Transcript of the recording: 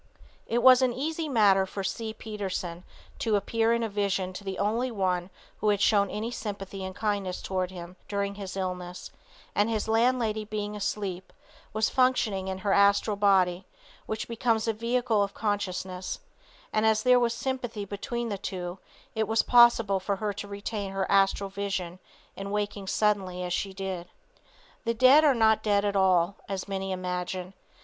It was an easy matter for C. Peterson to appear in a vision to the only one who had shown any sympathy and kindness toward him during his illness, and his landlady being asleep, was functioning in her astral body, which becomes a vehicle of consciousness, and as there was sympathy between the two it was possible for her to retain her astral vision in waking suddenly as she did. The dead are not dead at all, as many imagine.